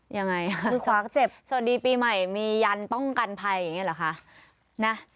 ยังไงมือขวาก็เจ็บสวัสดีปีใหม่มียันป้องกันภัยอย่างนี้เหรอคะนะ